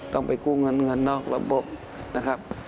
ต้องไปกู้เงินเงินนอกระบบนะครับ